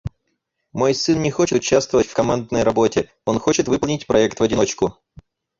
Мой сын не хочет участвовать в командной работе. Он хочет выполнить проект в одиночку.